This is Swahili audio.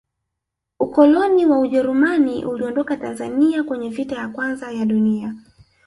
ukoloni wa ujerumani uliondoka tanzania kwenye vita ya kwanza ya dunia